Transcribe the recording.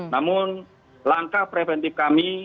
namun langkah preventif kami